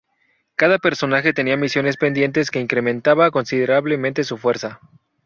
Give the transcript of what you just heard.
Cada personaje tenía misiones pendientes que incrementaba considerablemente su fuerza.